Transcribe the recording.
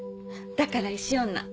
だから石女。